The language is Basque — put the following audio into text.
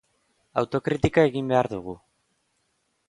Autokritika egin behar dugu.